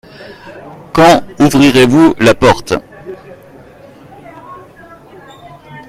Quand ouvrirez-vous la porte ?